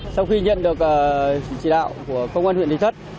sau khi nhận được chỉ đạo của công an huyện ninh thất